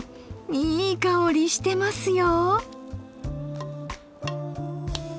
いい香りしてますよ。